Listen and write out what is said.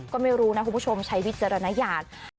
ก็ไม่รู้นะคุณผู้ชมใช้วิจารณญาณ